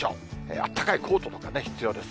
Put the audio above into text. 暖かいコートとか必要です。